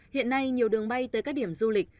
hiện nay nhiều đường bay tới các điểm du lịch